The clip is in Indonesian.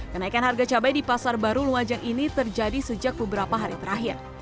kenaikan harga cabai di pasar baru lumajang ini terjadi sejak beberapa hari terakhir